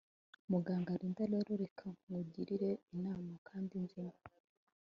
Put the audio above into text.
Muganga Linda rero reka nkugire inama kandi nzima